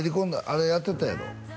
あれやってたやろ？